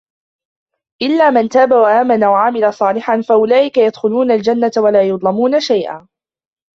إِلَّا مَنْ تَابَ وَآمَنَ وَعَمِلَ صَالِحًا فَأُولَئِكَ يَدْخُلُونَ الْجَنَّةَ وَلَا يُظْلَمُونَ شَيْئًا